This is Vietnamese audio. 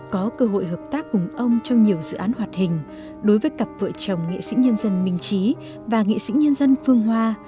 có cơ hội hợp tác cùng ông trong nhiều dự án hoạt hình đối với cặp vợ chồng nghệ sĩ nhân dân minh trí và nghệ sĩ nhân dân phương hoa